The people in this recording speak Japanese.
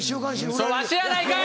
それわしやないかい！